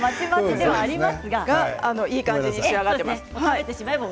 でも、いい感じに仕上がっています。